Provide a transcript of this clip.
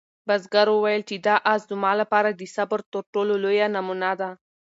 بزګر وویل چې دا آس زما لپاره د صبر تر ټولو لویه نمونه ده.